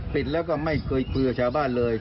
ปิดแล้วก็ไม่เคยเกลือชาวบ้านเลย